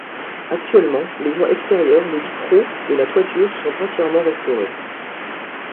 Actuellement, les joints extérieurs, les vitraux et la toiture sont entièrement restaurés.